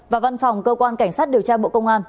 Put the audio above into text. và văn phòng cơ quan cảnh sát điều tra bộ công an